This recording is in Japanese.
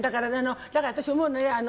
だから私、思うのね。